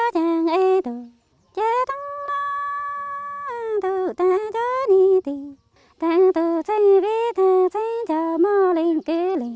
đã gây trị dòng